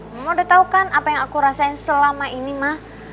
mama udah tau kan apa yang aku rasain selama ini ma